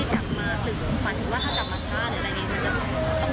ใช่ครับ